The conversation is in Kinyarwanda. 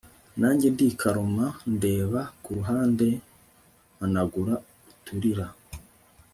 nanjye ndikaruma ndeba kuruhande mpanagura uturira